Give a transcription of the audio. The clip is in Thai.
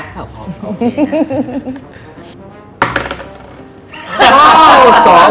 พร้อมโอเคนะ